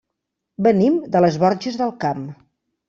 Venim de les Borges del Camp.